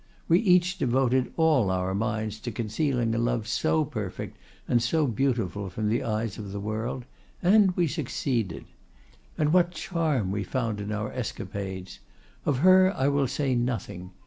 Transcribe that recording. "We each devoted all our minds to concealing a love so perfect and so beautiful from the eyes of the world; and we succeeded. And what charm we found in our escapades! Of her I will say nothing.